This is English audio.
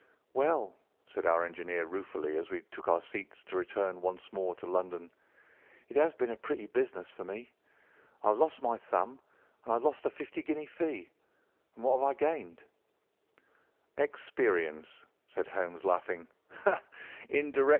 "Well," said our engineer ruefully as we took our seats to return once more to London, "it has been a pretty business for me! I have lost my thumb and I have lost a fifty guinea fee, and what have I gained?" "Experience," said Holmes, laughing.